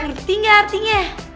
ngerti nggak artinya